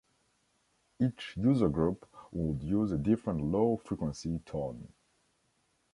Each user group would use a different low frequency tone.